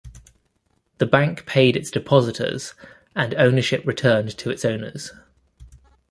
The bank paid its depositors and ownership returned to its owners.